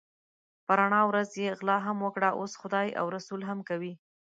په رڼا ورځ یې غلا هم وکړه اوس خدای او رسول هم کوي.